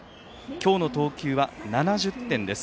今日の投球は７０点です。